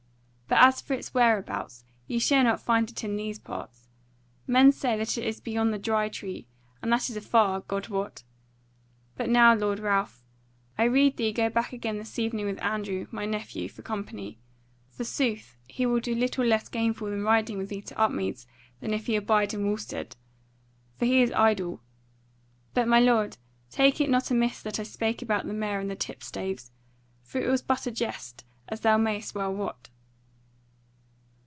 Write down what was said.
But as for its wherabouts, ye shall not find it in these parts. Men say that it is beyond the Dry Tree; and that is afar, God wot! But now, lord Ralph, I rede thee go back again this evening with Andrew, my nephew, for company: forsooth, he will do little less gainful than riding with thee to Upmeads than if he abide in Wulstead; for he is idle. But, my lord, take it not amiss that I spake about the mayor and the tipstaves; for it was but a jest, as thou mayest well wot."